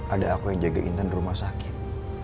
ada aku yang jaga intan di rumah sakit